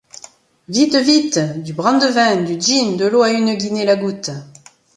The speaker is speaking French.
Vite! vite ! du brandevin, du gin, de l’eau à une guinée la goutte !